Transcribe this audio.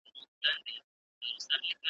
وروسته ئې بيرته د زندان